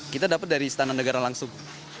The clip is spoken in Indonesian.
kita dapat dari istana negara langsung